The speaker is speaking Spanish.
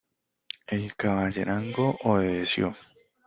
el caballerango obedeció.